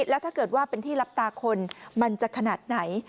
แล้วถ้าเกิดว่าเป็นที่รับตาคนมันจะขนาดไหน